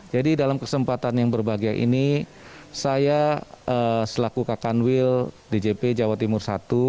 jadi dalam kesempatan yang berbahagia ini saya selaku kak kanwil djp jawa timur